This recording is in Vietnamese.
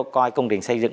coi công trình xây dựng